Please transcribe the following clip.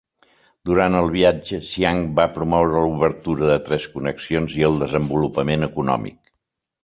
Durant el viatge, Chiang va promoure l'obertura de tres connexions i el desenvolupament econòmic.